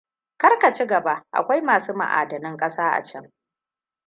Kar ka ci gaba; akwai masu ma'adinan kasa a can.